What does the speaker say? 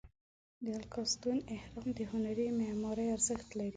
د الکاستون اهرام د هنري معمارۍ ارزښت لري.